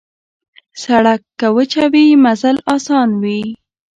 سړک که وچه وي، مزل اسان وي.